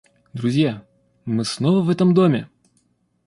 Друзья! мы снова в этом доме!